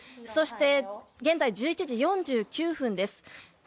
そして、現在１１時４９分です。